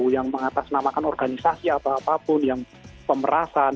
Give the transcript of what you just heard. yang mengatasnamakan organisasi atau apapun yang pemerasan